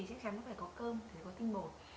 chắc chắn nó phải có cơm phải có tinh bột